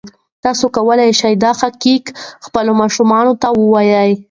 تاسو کولی شئ دا حقایق خپلو ماشومانو ته هم ووایئ.